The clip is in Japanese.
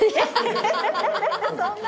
そんな。